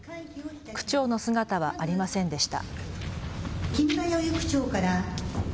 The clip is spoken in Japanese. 区長の姿はありませんでした。